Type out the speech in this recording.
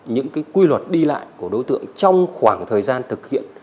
những quy luật đi lại của đối tượng trong khoảng thời gian thực hiện